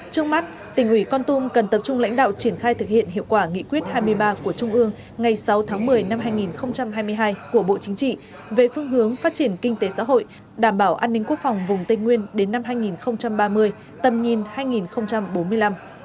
trước mắt tỉnh ủy con tum cần tập trung lãnh đạo triển khai thực hiện hiệu quả nghị quyết hai mươi ba của trung ương ngày sáu tháng một mươi năm hai nghìn hai mươi hai của bộ chính trị về phương hướng phát triển kinh tế xã hội đảm bảo an ninh quốc phòng vùng tây nguyên đến năm hai nghìn ba mươi tầm nhìn hai nghìn bốn mươi năm